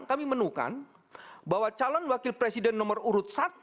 kami menungkan bahwa calon wakil presiden nomor satu